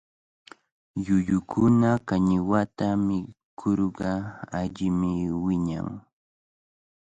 Llullukuna kañiwata mikurqa allimi wiñan.